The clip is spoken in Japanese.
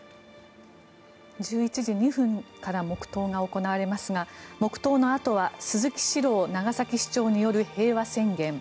１１時２分から黙祷が行われますが黙祷のあとは鈴木史朗長崎市長による平和宣言。